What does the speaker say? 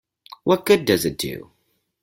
What good does it do?